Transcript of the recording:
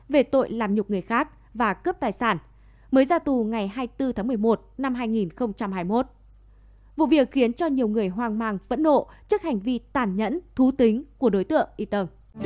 vụ việc khiến cho nhiều người hoang mang phẫn nộ trước hành vi tàn nhẫn thú tính của đối tượng y tờ